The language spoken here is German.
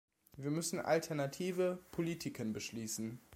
Wir müssen alternative Politiken beschließen.